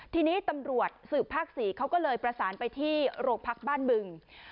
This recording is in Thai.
ทีนี้ตำรวจสืบภาค๔เขาก็เลยประสานไปที่โรงพักบ้านบึง